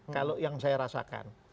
kalau yang saya rasakan